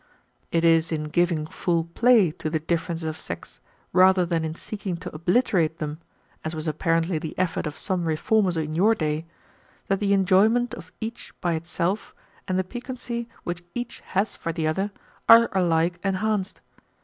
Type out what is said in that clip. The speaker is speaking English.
It is in giving full play to the differences of sex rather than in seeking to obliterate them, as was apparently the effort of some reformers in your day, that the enjoyment of each by itself and the piquancy which each has for the other, are alike enhanced.